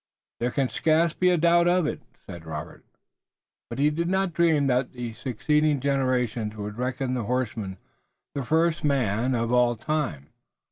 "There can scarce be a doubt of it," said Robert. But he did not dream then that succeeding generations would reckon the horseman the first man of all time.